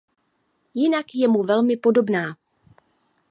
Jinak je mu velmi podobná.